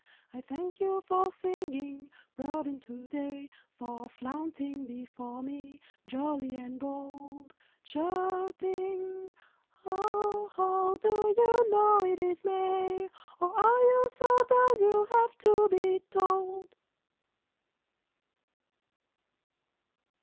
I thank you for singing, robin to day, For flaunting before me, jolly and bold, Chirping, "Ho! Ho! do you know it is May, Or are you so dull you have to be told?"